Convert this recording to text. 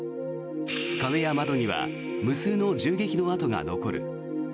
壁や窓には無数の銃撃の跡が残る。